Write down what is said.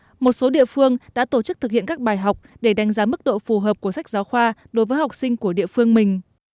nhưng cũng đối tượng giáo dục và đào tạo dạy học để đánh giá mức độ phù hợp của sách giáo khoa đối với học sinh của địa phương mình